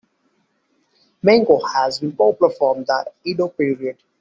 Menko has been popular from the Edo period.